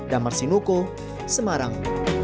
damar sinuko semarang